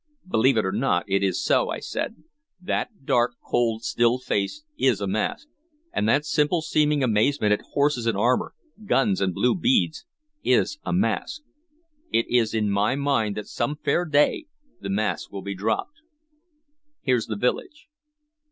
"Believe it or not, it is so," I said. "That dark, cold, still face is a mask, and that simple seeming amazement at horses and armor, guns and blue beads, is a mask. It is in my mind that some fair day the mask will be dropped. Here's the village."